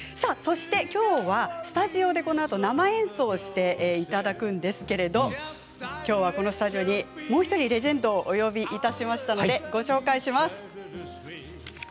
そしてきょうはスタジオでこのあと生演奏をしていただけるんですけれどきょうは、このスタジオにもう１人レジェンドをお呼びいたしましたのでご紹介します。